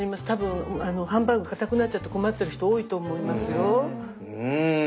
多分ハンバーグかたくなっちゃって困っている人多いと思いますよ。